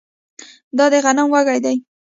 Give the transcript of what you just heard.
دا د غنم وږی دی